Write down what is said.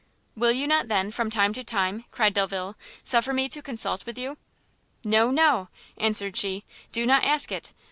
"Will you not, then, from time to time," cried Delvile, "suffer me to consult with you?" "No, no," answered she, "do not ask it!